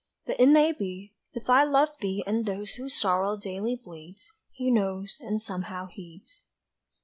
But it may be, if I love thee And those whose sorrow daily bleeds, He knows and somehow heeds!"